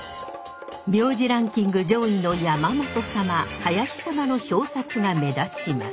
名字ランキング上位の山本様林様の表札が目立ちます。